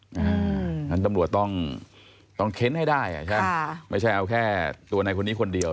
งั้นตำรวจต้องเค้นให้ได้ไม่ใช่เอาแค่ตัวในคนนี้คนเดียว